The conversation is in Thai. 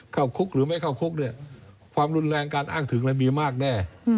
เข้าคุกหรือไม่เข้าคุกเนี่ยความรุนแรงการอ้างถึงมีมากแน่